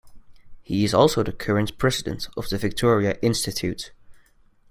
He is also the current president of the Victoria Institute.